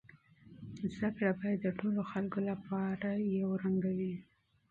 زده کړه باید د ټولو خلکو لپاره برابره وي.